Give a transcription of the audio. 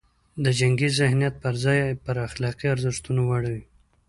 د جنګي ذهنیت پر ځای یې پر اخلاقي ارزښتونو واړوي.